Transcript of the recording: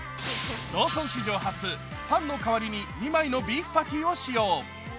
ローソン史上初、パンの代わりに２枚のビーフパティを使用。